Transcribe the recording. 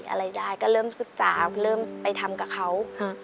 อะไรได้ก็เริ่มศึกษาเริ่มไปทำกับเขา